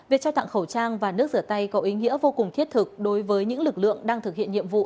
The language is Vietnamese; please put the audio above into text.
việc trao tặng khẩu trang và nước rửa tay có ý nghĩa vô cùng thiết thực đối với những lực lượng đang thực hiện nhiệm vụ